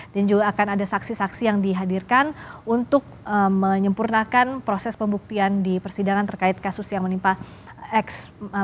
dan juga akan ada saksi saksi yang dihadirkan untuk menyempurnakan proses pembuktian di persidangan terkait kasus yang menimpa eks